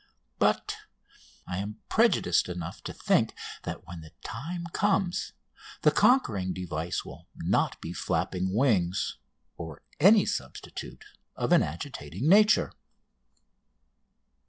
But I am prejudiced enough to think that when the time comes the conquering device will not be flapping wings or any substitute of an agitating nature.